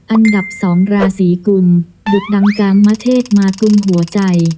อันดับ๒ราศีกุลดดังกลางประเทศมากุมหัวใจ